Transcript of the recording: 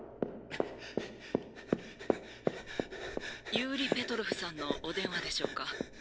ユーリ・ペトロフさんのお電話でしょうか？